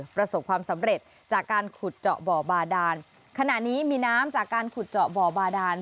ประสบความสำเร็จจากการขุดเจาะบ่อบาดานขณะนี้มีน้ำจากการขุดเจาะบ่อบาดาน